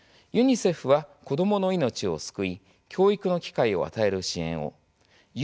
ユニセフは子どもの命を救い教育の機会を与える支援。